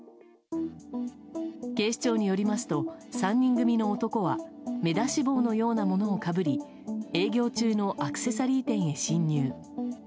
警視庁によりますと３人組の男は目出し帽のようなものをかぶり営業中のアクセサリー店へ侵入。